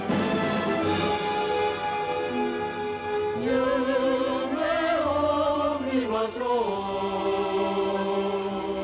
「夢を見ましょう」